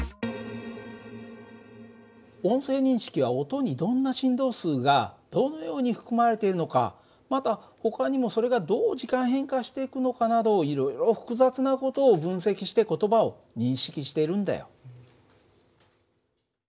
音声認識は音にどんな振動数がどのように含まれているのかまたほかにもそれがどう時間変化していくのかなどいろいろ複雑な事を分析して言葉を認識してるんだよ。